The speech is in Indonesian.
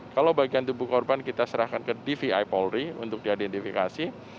kalau bagian tubuh korban kita serahkan ke dvi polri untuk diidentifikasi